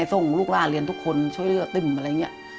ส่งลูกล่าเรียนทุกคนช่วยเรือตึ้มอะไรอย่างนี้